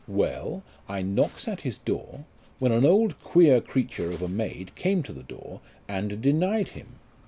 Well : I knocks at his door, when an old queer creature of a maid came to the door, and denied him.